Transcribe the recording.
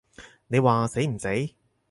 你話死唔死？